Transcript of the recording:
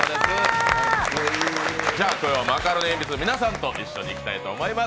今日はマカロニえんぴつの皆さんと一緒にいきたいと思います。